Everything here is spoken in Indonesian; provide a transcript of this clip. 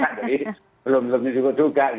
jadi belum cukup juga